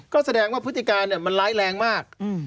ก็แสดงว่าพฤติการมันร้ายแรงมาก